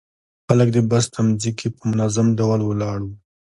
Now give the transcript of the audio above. خلک د بس تمځي کې په منظم ډول ولاړ وو.